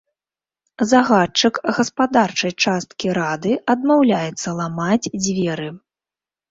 Загадчык гаспадарчай часткі рады адмаўляецца ламаць дзверы.